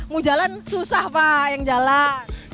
mau jalan susah pak yang jalan